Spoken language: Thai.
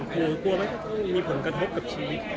กลัวมันก็ต้องมีผลกระทบกับชีวิต